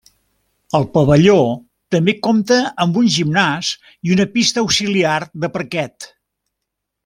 El pavelló també compta amb un gimnàs i una pista auxiliar de parquet.